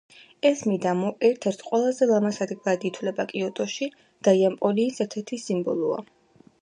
ეს მიდამო ერთ-ერთ ყველაზე ლამაზ ადგილად ითვლება კიოტოში და იაპონიის ერთ-ერთი სიმბოლოა.